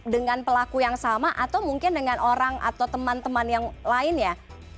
dengan pelaku yang sama atau mungkin dengan orang atau teman teman yang lainnya